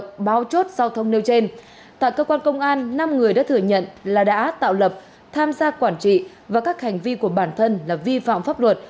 giao thông nêu trên tại cơ quan công an năm người đã thừa nhận là đã tạo lập tham gia quản trị và các hành vi của bản thân là vi phạm pháp luật